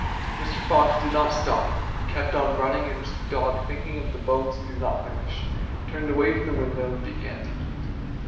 Mr. Fox did not stop. He kept on running, and Mr. Dog, thinking of the bones he did not finish, turned away from the window and began to eat.